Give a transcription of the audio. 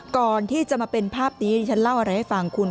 ก่อนที่จะมาเป็นภาพนี้ที่ฉันเล่าอะไรให้ฟังคุณ